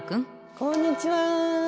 こんにちは。